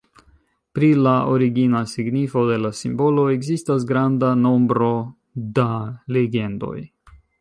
Pri la "origina" signifo de la simbolo ekzistas granda nombro da legendoj.